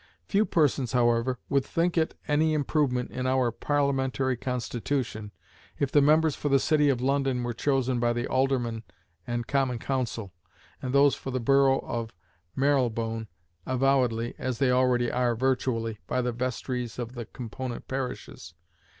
Few persons, however, would think it any improvement in our Parliamentary constitution if the members for the City of London were chosen by the aldermen and Common Council, and those for the borough of Marylebone avowedly, as they already are virtually, by the vestries of the component parishes.